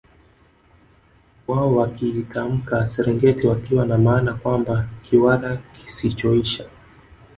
Wao wakiitamka Serengiti wakiwa na maana kwamba Kiwara kisichoisha